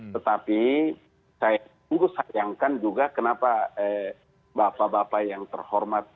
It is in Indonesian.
tetapi saya sungguh sayangkan juga kenapa bapak bapak yang terhormat